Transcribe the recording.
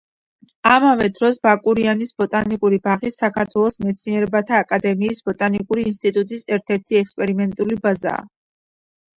ამავე დროს ბაკურიანის ბოტანიკური ბაღი საქართველოს მეცნიერებათა აკადემიის ბოტანიკური ინსტიტუტის ერთ-ერთი ექსპერიმენტული ბაზაა.